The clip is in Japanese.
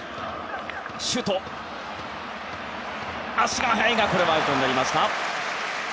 周東、足が速いがこれはアウトになりました。